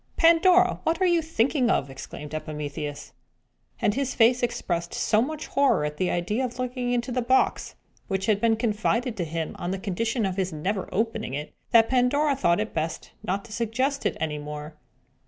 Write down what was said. "Pandora, what are you thinking of?" exclaimed Epimetheus. And his face expressed so much horror at the idea of looking into a box, which had been confided to him on the condition of his never opening it, that Pandora thought it best not to suggest it any more.